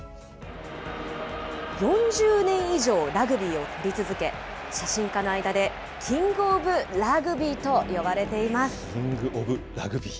４０年以上、ラグビーを撮り続け、写真家の間でキング・オブ・ラグビーと呼ばれています。